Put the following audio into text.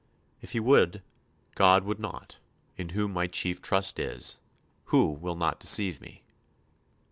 If he would, God will not, in Whom my chief trust is, Who will not deceive me."